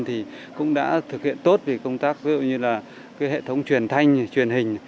thì cũng đã thực hiện tốt vì công tác ví dụ như là cái hệ thống truyền thanh truyền hình